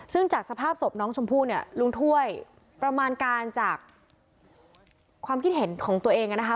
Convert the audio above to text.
ซึ่งจากสภาพศพน้องชมพู่เนี่ยลุงถ้วยประมาณการจากความคิดเห็นของตัวเองนะคะ